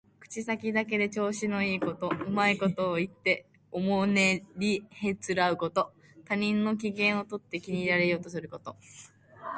口先だけで調子のいいこと、うまいことを言っておもねりへつらうこと。他人の機嫌をとって気に入られようとすること。